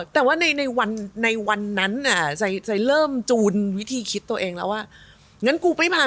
แต่ว่าในวันนั้นใส่เริ่มจูนวิธีคิดตัวเองแล้วว่า